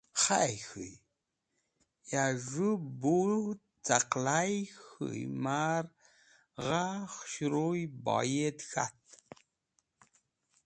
Khay, k̃hũy! Ya z̃hũ bu cẽqaly k̃hũyev ma’r gha khũshruy bayd k̃hat.